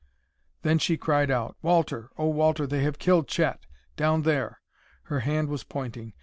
_" Then she cried out: "Walter! Oh, Walter, they have killed Chet! Down there!" Her hand was pointing.